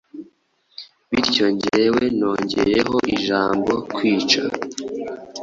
Bityo njye nongeyeho ijambo kwica